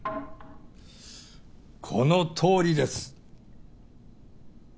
このとおりです！